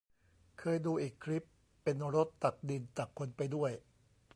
เคยดูอีกคลิป เป็นรถตักดิน ตักคนไปด้วย